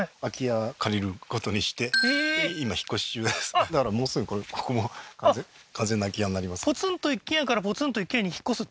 今引っ越し中ですだからもうすぐここも完全な空き家になりますね